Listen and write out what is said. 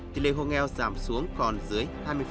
tỷ lệ hồ nghèo giảm xuống còn dưới hai mươi